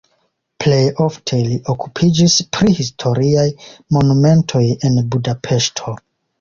Plej ofte li okupiĝis pri historiaj monumentoj en Budapeŝto.